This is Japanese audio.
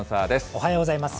おはようございます。